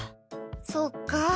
そっか。